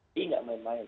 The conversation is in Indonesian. kita tidak main main